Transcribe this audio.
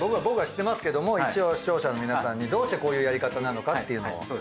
僕は知ってますけども一応視聴者の皆さんにどうしてこういうやり方なのかっていうのを。